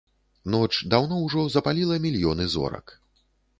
Ноч даўно ўжо запаліла мільёны зорак.